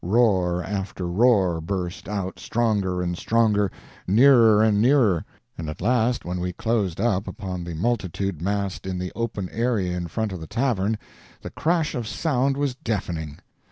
Roar after roar burst out, stronger and stronger, nearer and nearer; and at last, when we closed up upon the multitude massed in the open area in front of the tavern, the crash of sound was deafening.